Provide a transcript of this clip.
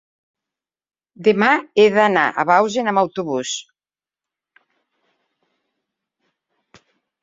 demà he d'anar a Bausen amb autobús.